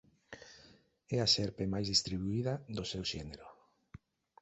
É a serpe máis distribuída do seu xénero.